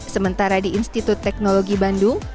sementara di institut teknologi bandung